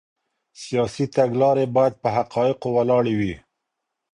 سیاسي تګلارې باید په حقایقو ولاړې وي.